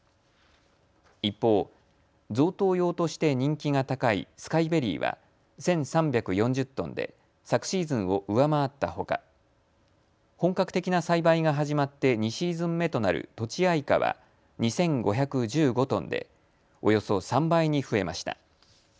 一方、贈答用として人気が高いスカイベリーは１３４０トンで昨シーズンを上回ったほか本格的な栽培が始まって２シーズン目となるとちあいかは２５１５トンでおよそ３倍に増えました。